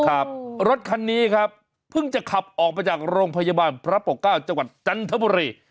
ขับรถคันนี้ครับเพิ่งจะขับออกมาจากโรงพยาบาลพระปกเก้าจังหวัดจันทบุรี